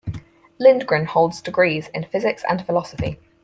Lindgren holds degrees in physics and philosophy.